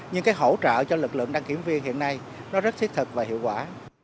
nhưng cái hỗ trợ cho lực lượng đăng kiểm viên hiện nay nó rất thiết thực và hiệu quả